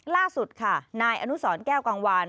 ล่าสุดค่ะนายอนุสรแก้วกังวาน